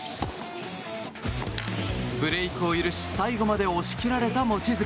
ブレークを許し最後まで押し切られた望月。